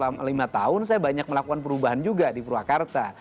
saya menjadi wakil bupati selama lima tahun saya banyak melakukan perubahan juga di purwakarta